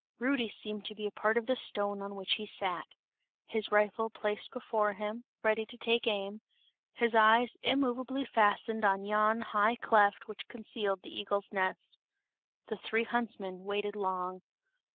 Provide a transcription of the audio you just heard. Rudy seemed to be a part of the stone on which he sat; his rifle placed before him, ready to take aim, his eyes immoveably fastened on yon high cleft which concealed the eagle's nest. The three huntsmen waited long.